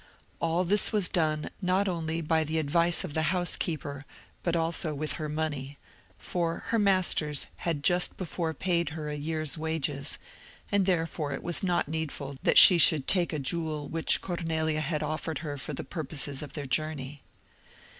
All this was done not only by the advice of the housekeeper, but also with her money; for her masters had just before paid her a year's wages, and therefore it was not needful that she should take a jewel which Cornelia had offered her for the purposes of their journey.